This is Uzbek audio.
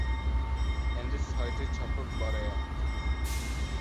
Endi soyda chopib borayapti.